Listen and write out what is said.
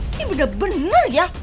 ini bener bener ya